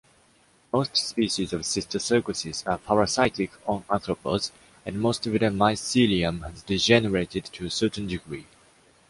Most species of cysticercosis are parasitic on arthropods, and most of their mycelium has degenerated to a certain degree.